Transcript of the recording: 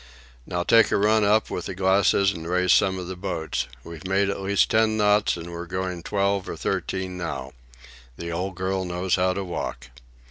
"Now take a run up with the glasses and raise some of the boats. We've made at least ten knots, and we're going twelve or thirteen now. The old girl knows how to walk."